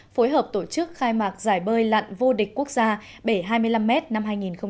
phối hợp tổ chức khai mạc giải bơi lặn vô địch quốc gia bể hai mươi năm m năm hai nghìn một mươi chín